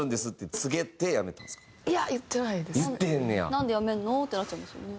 「なんでやめるの？」ってなっちゃいますよね。